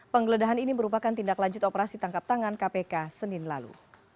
penggeledahan ini merupakan tindak lanjut operasi tangkap tangan kpk senin lalu